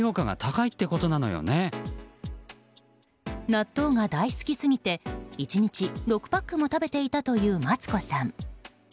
納豆が大好きすぎて１日６パックも食べていたというマツコさん。